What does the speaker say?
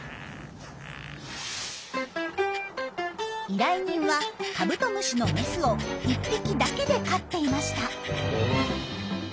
依頼人はカブトムシのメスを１匹だけで飼っていました。